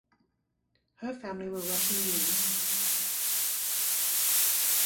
Her family were Russian Jews.